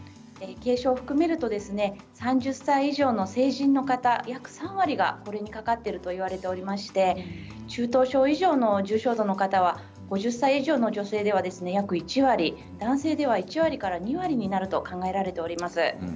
軽症を含めると３０歳以上の成人の方は約３割がこれにかかっていると言われておりまして中等症以上の重症度の方は５０歳以上の女性では約１割男性では１割から２割になると考えられています。